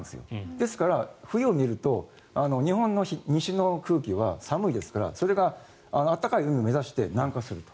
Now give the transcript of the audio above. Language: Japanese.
ですから冬を見ると日本の西の空気は寒いですからそれが暖かい海を目指して南下すると。